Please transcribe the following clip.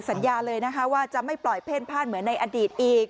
สัญญาเลยนะคะว่าจะไม่ปล่อยเพ่นพลาดเหมือนในอดีตอีก